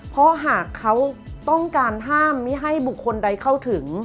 เพราะหากเขาต้องการห้ามไม่ให้บุคคลใดเข้าถึง